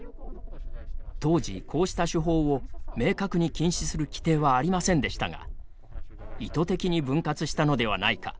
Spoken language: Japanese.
当時、こうした手法を明確に禁止する規定はありませんでしたが意図的に分割したのではないか。